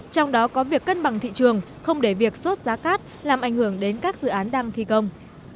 trong đó có việc cân bằng thị trường không để việc sốt giá cát làm ảnh hưởng đến các dự án đang thi công